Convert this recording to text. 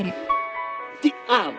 ティアーモ。